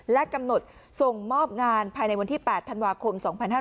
และกำหนดส่งมอบงานภายในวันที่๘ธันวาคม๒๕๕๙